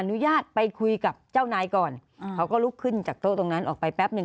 อนุญาตไปคุยกับเจ้านายก่อนเขาก็ลุกขึ้นจากโต๊ะตรงนั้นออกไปแป๊บหนึ่ง